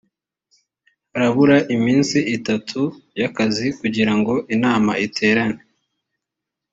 harabura iminsi itatu y akazi kugira ngo inama iterane